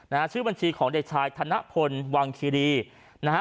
๐๒๐๑๕๕๕๐๐๔๐๗นะฮะชื่อบัญชีของเด็กชายธนพลวังคิรีนะฮะ